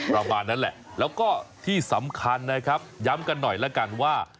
ประมาณนั้นแหละแล้วก็ที่สำคัญนะครับย้ำกันหน่อยแล้วกันว่า